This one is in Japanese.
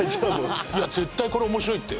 いや、絶対これ面白いって。